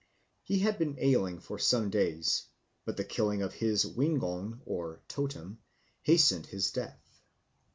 He had been ailing for some days, but the killing of his wingong [totem] hastened his death."